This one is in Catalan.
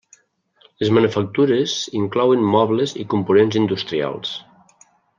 Les manufactures inclouen mobles i components industrials.